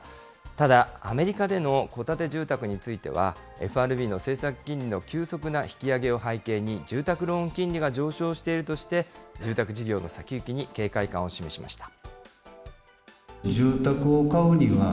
ただ、アメリカでの戸建て住宅については、ＦＲＢの政策金利の急速な引き上げを背景に、住宅ローン金利が上昇しているとして、住宅事業の先行きに警戒感を示しました。